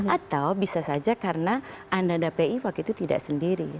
atau bisa saja karena ananda pi waktu itu tidak sendiri